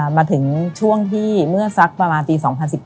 มาถึงช่วงที่เมื่อสักประมาณปี๒๐๑๙